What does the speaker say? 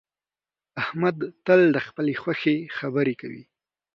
احمد تل د خپلې خوښې خبرې کوي